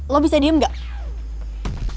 lo bisa diem gak